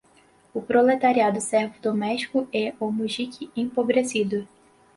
o proletário servo doméstico e o mujique empobrecido